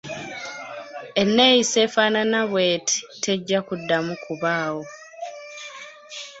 Enneeyisa efaanana bweti tejja kuddamu kubaawo.